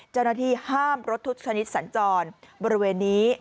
เจ้าหน้าที่ห้ามรถทุกชนิดสัญจรบริเวณนี้